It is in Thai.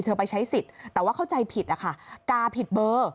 ไปใช้สิทธิ์แต่ว่าเข้าใจผิดนะคะกาผิดเบอร์